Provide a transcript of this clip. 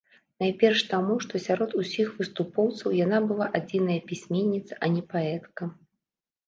Найперш таму, што сярод усіх выступоўцаў яна была адзіная пісьменніца, а не паэтка.